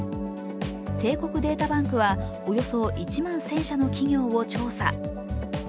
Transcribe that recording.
帝国データバンクはおよそ１万１０００社の企業を調査。